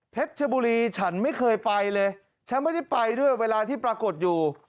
ชบุรีฉันไม่เคยไปเลยฉันไม่ได้ไปด้วยเวลาที่ปรากฏอยู่